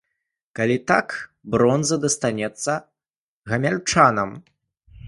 Калі так, бронза дастанецца гамяльчанам.